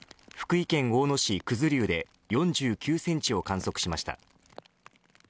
福井県大野市九頭竜で４９センチを観測しました。